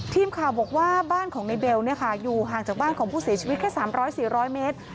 ทีมข่าวบอกว่าบ้านของในเบลอยู่ห่างจากบ้านของผู้เสียชีวิตแค่๓๐๐๔๐๐เมตร